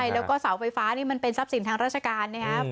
แล้วก็เสาไฟฟ้านี่มันเป็นทรัพย์สินทางราชการนะครับ